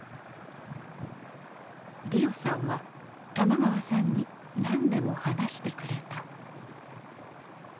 莉緒さんは玉川さんに何でも話してくれた。